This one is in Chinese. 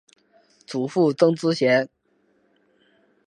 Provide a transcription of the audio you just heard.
祖父杜思贤。